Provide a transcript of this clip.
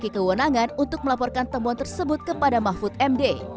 memiliki kewenangan untuk melaporkan temuan tersebut kepada mahfud md